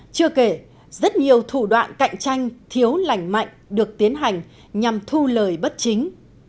chưa kể rất nhiều thủ đoạn cạnh tranh thiếu lành mạnh được tiến hành nhằm thu lời bất chính